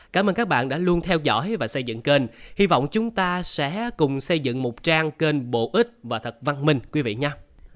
cảm ơn các bạn đã luôn theo dõi và xây dựng kênh hy vọng chúng ta sẽ cùng xây dựng một trang kênh bổ ích và thật văn minh quý vị nhau